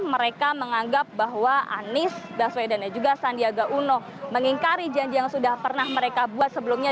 mereka menganggap bahwa anies baswedan dan juga sandiaga uno mengingkari janji yang sudah pernah mereka buat sebelumnya